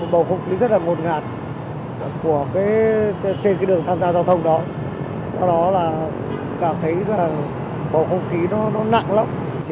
bộ không khí nó nặng lắm